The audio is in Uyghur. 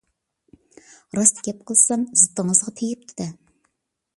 راست گەپ قىلسام زىتىڭىزغا تېگىپتۇ-دە!